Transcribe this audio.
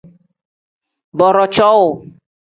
Booroo cowuu.